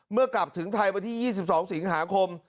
กลับถึงไทยวันที่๒๒สิงหาคม